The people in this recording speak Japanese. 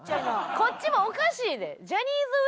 こっちもおかしいで。